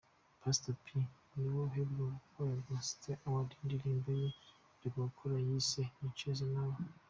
Pastor P ni nawe uheruka gukorera Stewart indirimbo ye aheruka gukora yise’ Nicheze nawe’.